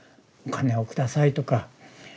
お金を下さいとか。